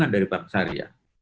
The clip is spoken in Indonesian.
saya punya kartu yang sangat besar